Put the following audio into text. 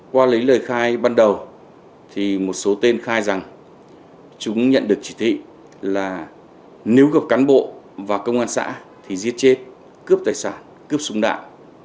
qua lấy lời khai ban đầu một số tên khai rằng chúng nhận được chỉ thị là nếu gặp cán bộ và công an xã thì giết chết cướp tài sản cướp súng đạn